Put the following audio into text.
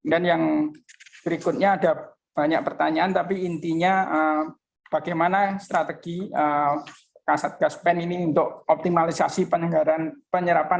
dan yang berikutnya ada banyak pertanyaan tapi intinya bagaimana strategi kaset gas pen ini untuk optimalisasi penyarapan anggaran program pen pak